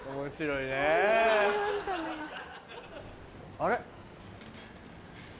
あれ？